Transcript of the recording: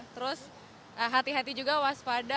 terus hati hati juga waspada